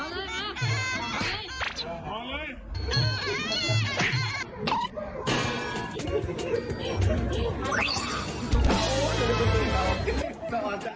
มาเลยมาเลยมาเลย